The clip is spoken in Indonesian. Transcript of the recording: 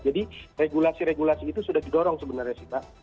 jadi regulasi regulasi itu sudah didorong sebenarnya sih mbak